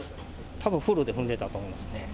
たぶん、フルで踏んでたと思うんですね。